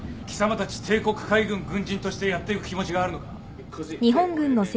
貴様たち帝国海軍軍人としてやっていく気持ちがあるのか？